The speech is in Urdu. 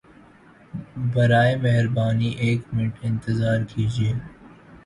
برائے مہربانی ایک منٹ انتظار کیجئیے!